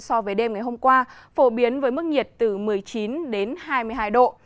so với đêm ngày hôm qua phổ biến với mức nhiệt từ một mươi chín đến hai mươi hai độ